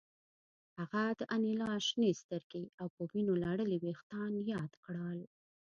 هغه د انیلا شنې سترګې او په وینو لړلي ویښتان یاد کړل